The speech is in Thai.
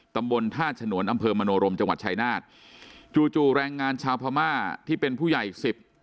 ตำบลท่าฉนวนอำเภอมโนรมจังหวัดชายนาฏจู่จู่แรงงานชาวพม่าที่เป็นผู้ใหญ่สิบ